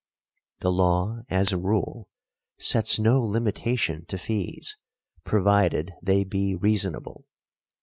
The law, as a rule, sets no limitation to fees, provided they be reasonable.